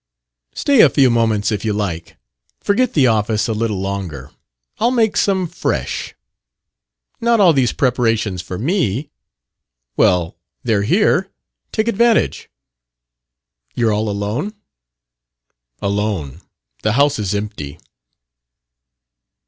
"Stay a few moments if you like. Forget the office a little longer. I'll make some fresh." "Not all these preparations for me?" "Well, they're here. Take advantage." "You're all alone?" "Alone. The house is empty."